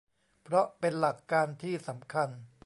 เพราะเป็นหลักการที่สำคัญ